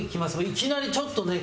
いきなりちょっとね